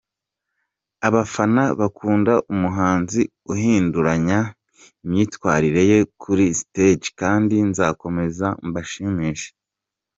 Abafana bakunda umuhanzi uhinduranya imyitwarire ye kuri stage kandi nzakomeza mbashimishe.